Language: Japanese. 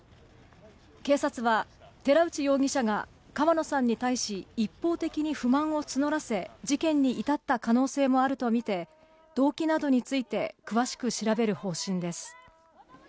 警察は、寺内容疑者が川野さんに対し、一方的に不満を募らせ、事件に至った可能性もあると見て、動機などについて詳しく調べる方針です。